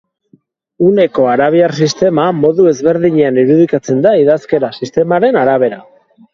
Uneko arabiar sistema modu ezberdinean irudikatzen da idazkera sistemaren arabera.